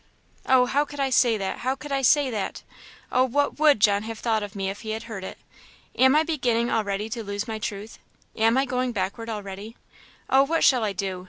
"Oh, how could I say that! how could I say that! Oh, what would John have thought of me if he had heard it? Am I beginning already to lose my truth? am I going backward already? Oh, what shall I do!